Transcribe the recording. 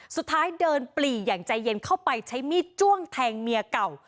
สุดท้ายเดินปลี่อย่างใจเย็นเข้าไปใช้มีดจ้วงแทงเมียเก่า